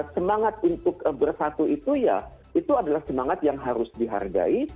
semangat untuk bersatu itu ya itu adalah semangat yang harus dihargai